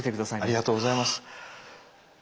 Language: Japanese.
ありがとうございます。